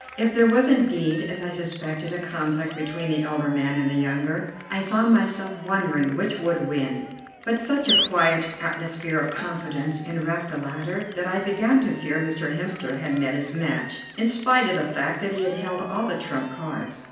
If there was indeed, as I suspected, a conflict between the elder man and the younger, I found myself wondering which would win, but such a quiet atmosphere of confidence enwrapped the latter that I began to fear Mr. Hemster had met his match, in spite of the fact that he held all the trump cards.